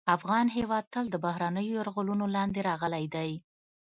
افغان هېواد تل د بهرنیو یرغلونو لاندې راغلی دی